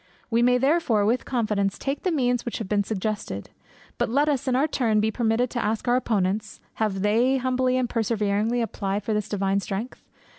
We may therefore with confidence take the means which have been suggested. But let us, in our turn, be permitted to ask our opponents, have they humbly and perseveringly applied for this divine strength?